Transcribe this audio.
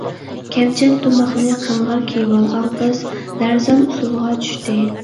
كەمچەت تۇماقنى قىڭغىر كىيىۋالغان قىز لەرزان ئۇسسۇلغا چۈشتى.